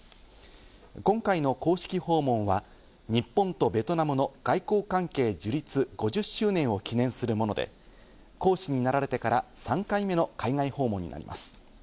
今回の公式訪問は、日本とベトナムの外交関係樹立５０周年を記念するもので、皇嗣になられてから３回目の海外訪問になります。